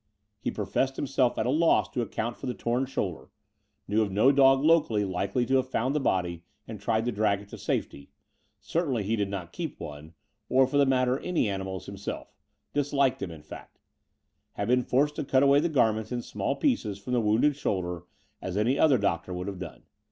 He professed himself at a loss to account for the torn shoulder; knew of no dog locally likdy to have found the body and tried to drag it to safety ; cer tainly did not keep one, or for the matter any animals, himself — disliked them, in fact ; had been forced to cut away the garments in small pieces from the wounded shoulder, as any other doctor would have done.